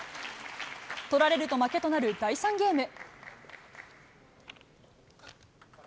取られると負けとなる第３ゲーム。